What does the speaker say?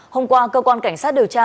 hôm qua cơ quan cảnh sát điều tra